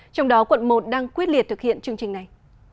trong đó quận một đang quyết liệt thực hiện chương trình này